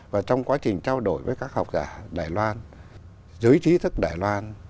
và trong quá trình trao đổi với các học giả đài loan giới trí thức đài loan